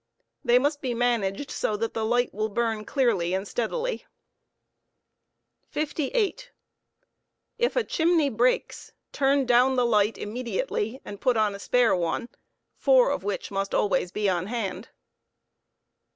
They must be managed so that the light will burn clearly and steadily. Broken obim. 58. If a chimney breaks, turn down fhe light immediately and put on a spare one, n * y *» four of which must always be on hand.